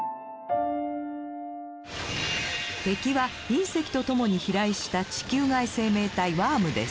敵は隕石とともに飛来した地球外生命体ワームです。